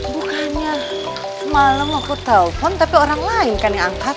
bukannya semalam aku telpon tapi orang lain kan yang angkat